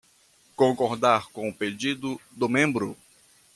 Concordar com o pedido do membro